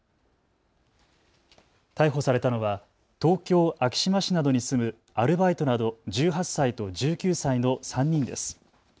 逮捕されたのは東京昭島市などに住むアルバイトなど１８歳と１９歳の３人です。